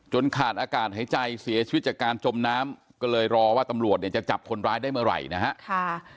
ขาดอากาศหายใจเสียชีวิตจากการจมน้ำก็เลยรอว่าตำรวจเนี่ยจะจับคนร้ายได้เมื่อไหร่นะฮะ